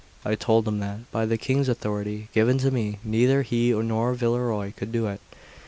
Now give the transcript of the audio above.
I told him that, by the King's authority given to me, neither he nor Villerois could do it.